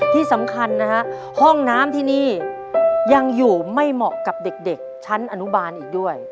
ที่สำคัญนะฮะห้องน้ำที่นี่ยังอยู่ไม่เหมาะกับเด็กชั้นอนุบาลอีกด้วย